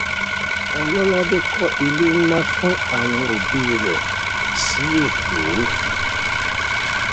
Ọlọ́ládé kọ́ ilé ńlá fún àwọn òbí rẹ̀ si Èkó.